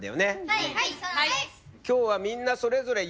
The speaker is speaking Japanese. はい！